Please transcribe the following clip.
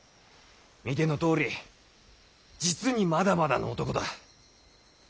見てのとおり実にまだまだの男だ。